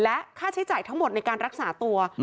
และค่าใช้จ่ายทั้งหมดในการรักษาตัว